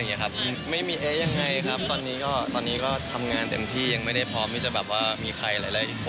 งั้นไม่มีเอ๊ะครับแต่ตอนนี้ก็จอดทำงานเต็มที่ยังไม่ได้พร้อมนี่จะแบบว่ามีใครอะไร